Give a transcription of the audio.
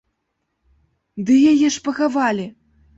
Ды яе ж пахавалі!